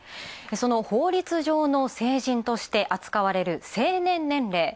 その法律上の成人として扱われる成年年齢。